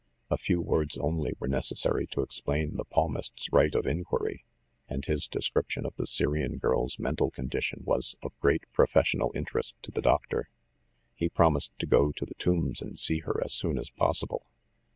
A few words only were necessary to explain the palmist's right of inquiry, and his description of the Syrian girl's mental condition NUMBER THIRTEEN 183 was of great professional interest to the doctor. He promised to go to the Tombs and see her as soon as possible.